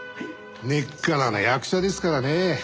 根っからの役者ですからねえ。